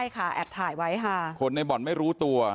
คนในบ่อนไม่รู้ตัว